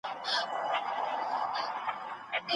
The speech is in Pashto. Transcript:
دلته هیڅوک بنده ګي نه شي زغملای.